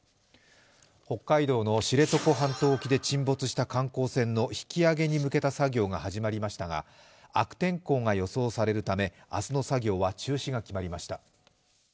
北海道の知床半島沖で沈没した観光船の引き揚げに向けた作業が始まりましたが悪天候が予想されるため明日の作業は中止が決まりました。